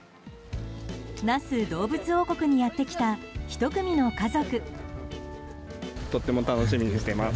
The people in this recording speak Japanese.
那須どうぶつ王国にやってきたひと組の家族。